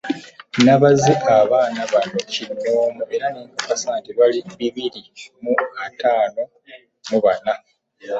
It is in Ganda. Nabaze abaana bano kinnomu nenkakasa nti bali bibiri mu ataano mu bana.